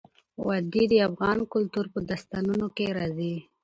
وادي د افغان کلتور په داستانونو کې راځي.